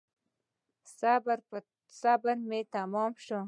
صبر مي تمام شو .